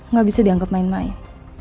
nggak bisa dianggap main main